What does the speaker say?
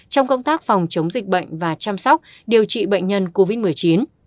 trong công tác phòng chống dịch bệnh và chăm sóc điều trị bệnh nhân covid một mươi chín